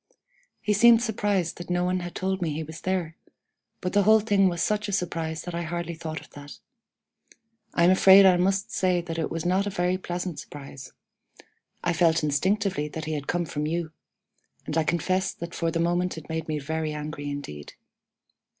He seemed surprised that no one had told me he was there, but the whole thing was such a surprise that I hardly thought of that. I am afraid I must say that it was not a very pleasant surprise. I felt instinctively that he had come from you, and I confess that for the moment it made me very angry indeed.